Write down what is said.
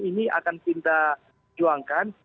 ini akan kita juangkan